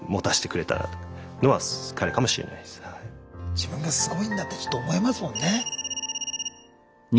自分がすごいんだってちょっと思えますもんね。